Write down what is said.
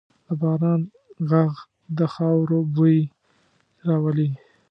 د باران ږغ د خاورو بوی راولي.